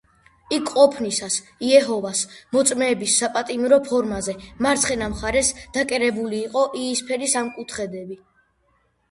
იქ ყოფნისას იეჰოვას მოწმეების საპატიმრო ფორმაზე, მარცხენა მხარეს დაკერებული იყო იისფერი სამკუთხედები.